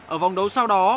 ở vòng đấu sau đó